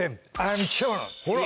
ほら。